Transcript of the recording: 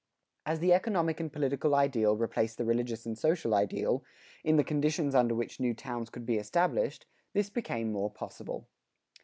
As the economic and political ideal replaced the religious and social ideal, in the conditions under which new towns could be established, this became more possible.